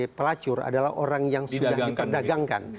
sebagai pelacur adalah orang yang sudah diperdagangkan